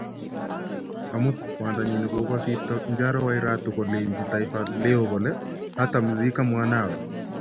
Omut, kwangdanyiii ne kokisirto Njaro Wairatu kolenji Taifa Leo kole "hatamzika mwanawe"